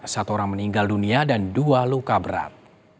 satu orang meninggal dunia dan dua luka berat